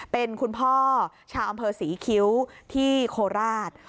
เป็นคุณพ่อชาวอำเภอศรีคิ้วที่โคราช